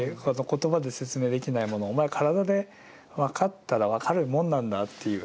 言葉で説明できないものをお前体で分かったら分かるもんなんだっていう。